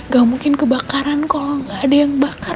ga mungkin kebakaran kalo ga ada yang bakar